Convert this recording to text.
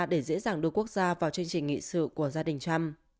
để dễ dàng đưa quốc gia vào chương trình nghị sự của gia đình trump